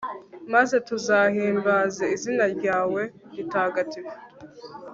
maze tuzahimbaze izina ryawe ritagatifu